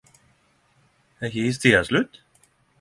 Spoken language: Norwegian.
Er ikkje istida slutt?